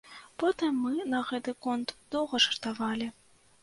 Потым мы на гэты конт доўга жартавалі.